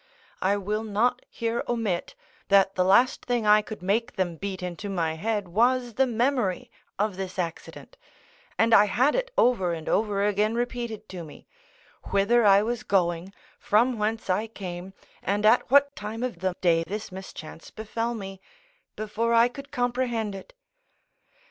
I will not here omit, that the last thing I could make them beat into my head, was the memory of this accident, and I had it over and over again repeated to me, whither I was going, from whence I came, and at what time of the day this mischance befell me, before I could comprehend it.